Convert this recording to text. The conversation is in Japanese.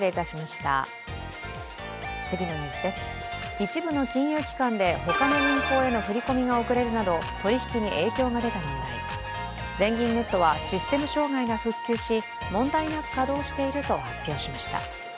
一部の金融機関で他の銀行への振り込みが遅れるなど取引に影響が出た問題、全銀ネットはシステム障害が復旧し問題なく稼働していると発表しました。